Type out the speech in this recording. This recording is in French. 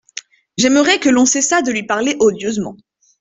J’aimerais que l’on cessât de lui parler odieusement.